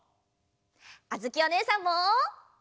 あづきおねえさんも！